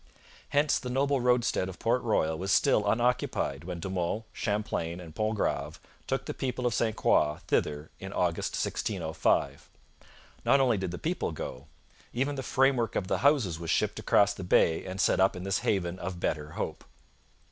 Hence the noble roadstead of Port Royal was still unoccupied when De Monts, Champlain, and Pontgrave took the people of St Croix thither in August 1605. Not only did the people go. Even the framework of the houses was shipped across the bay and set up in this haven of better hope.